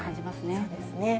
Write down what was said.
そうですね。